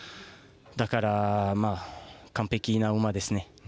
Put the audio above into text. だから、完璧な馬ですね。